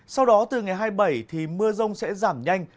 sau đó từ ngày hai mươi bảy thì mưa rông sẽ giảm nhanh